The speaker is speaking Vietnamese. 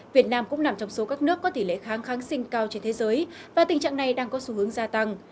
việt nam cũng nằm trong số các nước có tỷ lệ kháng kháng sinh cao trên thế giới và tình trạng này đang có xu hướng gia tăng